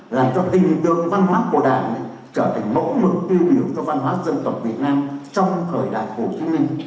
làm cho hình tượng văn hóa của đảng trở thành mẫu mực tiêu biểu cho văn hóa dân tộc việt nam trong thời đảng của chúng mình